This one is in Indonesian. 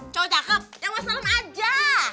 cowok cakep jangan serem aja